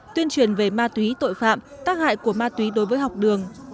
tuyên truyền về ma túy tội phạm tác hại của ma túy đối với học đường